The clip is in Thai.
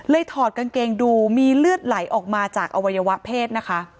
ถอดกางเกงดูมีเลือดไหลออกมาจากอวัยวะเพศนะคะ